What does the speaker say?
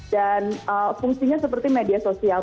dan fungsinya seperti media sosial